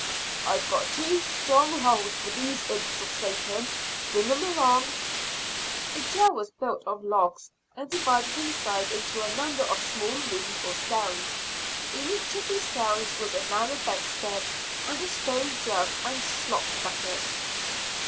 "I've got two strong holes for these imps of Satan; bring 'em along!" The jail was built of logs, and divided inside into a number of small rooms or cells. In each of these cells was a narrow bedstead and a stone jug and slop bucket.